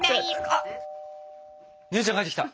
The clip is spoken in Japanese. あっ姉ちゃん帰ってきた。